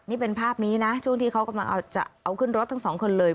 นี่เป็นภาพนี้นะช่วงที่เขากำลังจะเอาขึ้นรถทั้งสองคนเลย